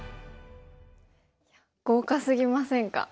豪華すぎませんか？